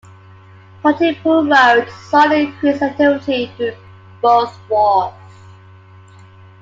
Pontypool Road saw an increased activity during both wars.